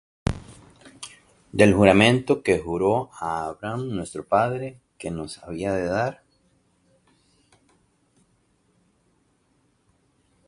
Del juramento que juró á Abraham nuestro padre, Que nos había de dar,